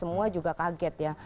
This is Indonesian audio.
semua juga kaget ya